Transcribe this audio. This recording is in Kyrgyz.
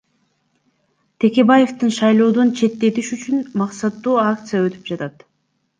Текебаевдин шайлоодон четтетиш үчүн максаттуу акция өтүп атат.